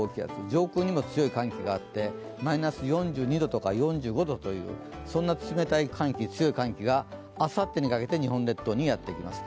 上空にも強い寒気があって、マイナス４２度や４５度というそんな冷たい寒気、強い寒気があさってにかけて日本列島にやってきます。